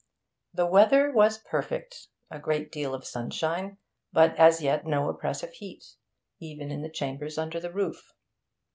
The weather was perfect; a great deal of sunshine, but as yet no oppressive heat, even in the chambers under the roof.